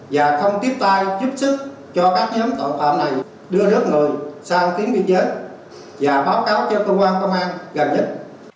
và không tiếp tay giúp sức cho các nhóm tội phạm này đưa đớt người sang tiếng biên giới và báo cáo cho công an gần nhất